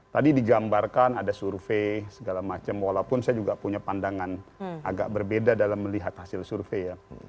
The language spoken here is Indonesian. tadi digambarkan ada survei segala macam walaupun saya juga punya pandangan agak berbeda dalam melihat hasil survei ya